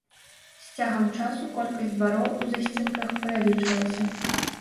З цягам часу колькасць двароў у засценках павялічвалася.